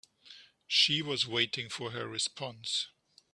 She was waiting for her response.